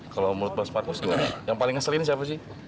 kalau menurut mas marcus yang paling ngeselin siapa sih